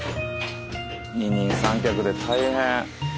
二人三脚で大変。